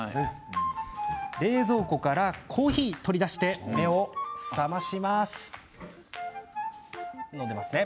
冷蔵庫からコーヒーを取り出して目を覚まします。